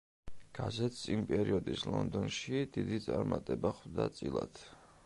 გაზეთს იმ პერიოდის ლონდონში დიდი წარმატება ხვდა წილად.